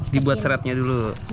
dibuat seretnya dulu